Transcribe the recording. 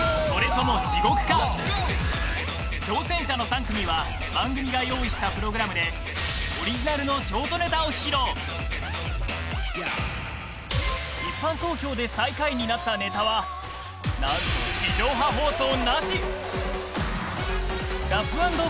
それとも地獄か挑戦者の３組は番組が用意したプログラムでオリジナルのショートネタを披露一般投票で最下位になったネタは何と地上波放送なし